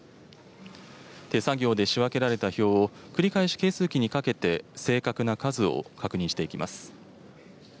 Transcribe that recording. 手作業で仕分けられた票を、繰り返し計数機にかけて、正確な数を確認していきます。